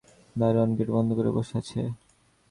দারোয়ান গেট বন্ধ করে বসে আছে।